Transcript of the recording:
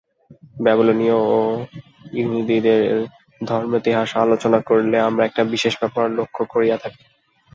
বেবিলনীয় ও য়াহুদীদের ধর্মেতিহাস আলোচনা করিলে আমরা একটি বিশেষ ব্যাপার লক্ষ্য করিয়া থাকি।